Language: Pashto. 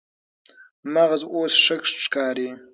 مغز اوس ښه ښکاري.